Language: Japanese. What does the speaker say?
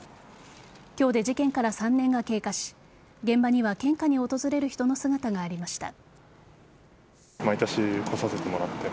今日で事件から３年が経過し現場には献花に訪れる人の姿がありました。